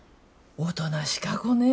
おとなしか子ね。